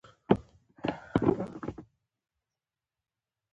په دې سیمه کې د اوبو د زیرمو څخه ښه ګټه اخیستل کیږي